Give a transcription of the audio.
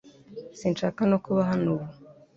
Sinshaka no kuba hano ubu .